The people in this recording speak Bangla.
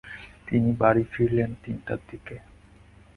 তিনি বাড়ি ফিরলেন তিনটার দিকে।